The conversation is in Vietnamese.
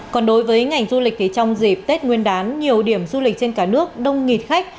còn đối với ngành du lịch thì trong dịp tết nguyên đán nhiều điểm du lịch trên cả nước đông nghịt khách